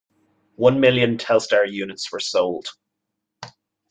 One million Telstar units were sold.